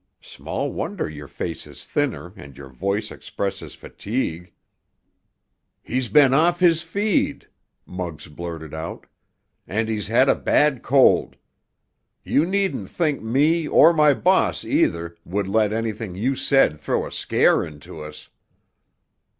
Small wonder your face is thinner and your voice expresses fatigue." "He's been off his feed!" Muggs blurted out. "And he's had a bad cold. You needn't think me, or my boss, either, would let anything you said throw a scare into us!"